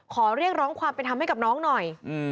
ขอเรียกร้องความเป็นธรรมให้กับน้องหน่อย